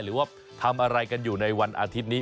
หรือว่าทำอะไรกันอยู่ในวันอาทิตย์นี้